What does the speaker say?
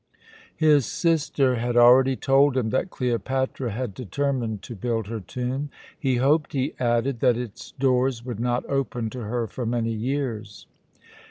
His sister had already told him that Cleopatra had determined to build her tomb. He hoped, he added, that its doors would not open to her for many years.